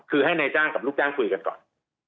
คือให้นายจ้างกับลูกจ้างคุยกันก่อน